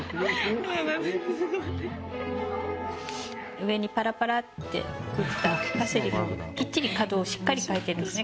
上にパラパラって振ったパセリもきっちり角をしっかり描いてますね。